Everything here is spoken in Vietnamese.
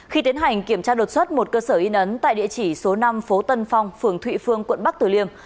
khi tiến hành kiểm tra đột xuất một cơ sở in ấn tại địa chỉ số năm phố tân phong phường thụy phương quận bắc tử liêm